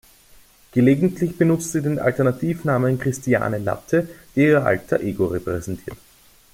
Gelegentlich benutzt sie den Alternativnamen "Christiane Latte", der ihr Alter Ego repräsentiert.